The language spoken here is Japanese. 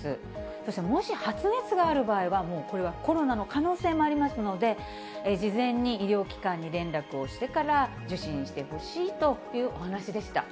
そしてもし発熱がある場合は、もうこれはコロナの可能性もありますので、事前に医療機関に連絡をしてから受診してほしいというお話でした。